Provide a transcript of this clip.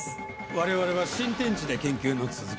我々は新天地で研究の続きだ。